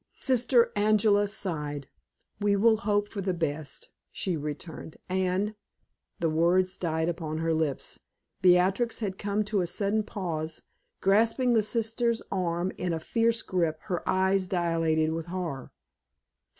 Sister Angela sighed. "We will hope for the best," she returned, "and " The words died on her lips. Beatrix had come to a sudden pause, grasping the sister's arm in a fierce grip, her eyes dilated with horror.